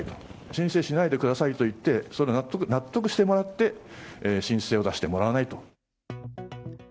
申請しないでくださいといって、納得してもらって、申請を出してもらわないと。